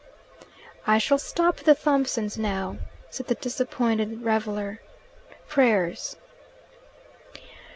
"I shall stop at the Thompsons' now," said the disappointed reveller. "Prayers."